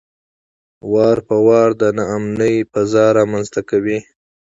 وار په وار د ناامنۍ فضا رامنځته کوي.